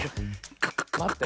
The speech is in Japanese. まって。